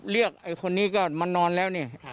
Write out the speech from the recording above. เรียกคนนี้ก็มานอนแล้วกัน